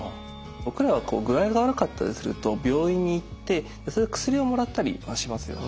僕らは具合が悪かったりすると病院に行って薬をもらったりはしますよね。